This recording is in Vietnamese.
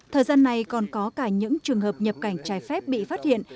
thời gian này còn có cả những trường hợp nhập cảnh trái phép bị phát hiện